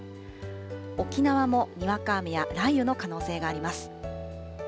沖縄もにわか雨や雷雨の可能性があります。